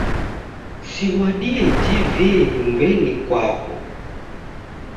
Siw'adie TV nyumbenyi mkwapo.